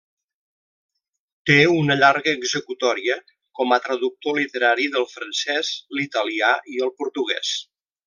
Té una llarga executòria com a traductor literari del francès, l'italià i el portuguès.